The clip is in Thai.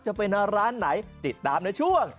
จะเป็นร้านไหนติดตามในช่วง